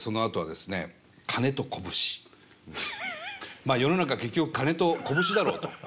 まあ世の中結局銭と拳だろうと。